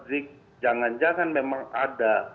rizik jangan jangan memang ada